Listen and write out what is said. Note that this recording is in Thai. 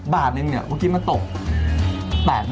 บาทหนึ่งเนี่ยคุณคิดว่ามันตก๘๐๐๐๐บาท